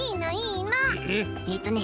えっとね